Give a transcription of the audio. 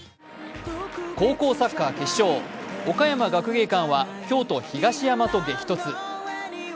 高校サッカー決勝、岡山学芸館は京都・東山と激突。